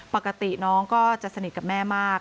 ปกติน้องก็จะสนิทกับแม่มาก